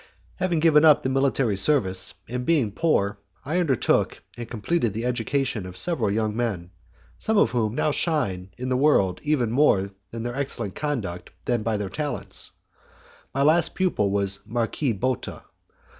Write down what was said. Having given up the military service, and being poor, I undertook and completed the education of several young men, some of whom shine now in the world even more by their excellent conduct than by their talents. My last pupil was the Marquis Botta.